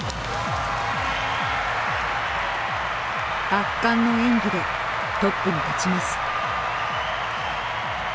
圧巻の演技でトップに立ちます。